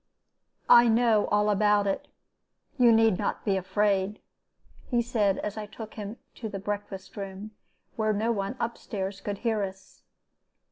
"'I know all about it. You need not be afraid,' he said, as I took him to the breakfast room, where no one up stairs could hear us.